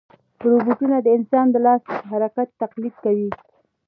روبوټونه د انسان د لاس د حرکت تقلید کوي.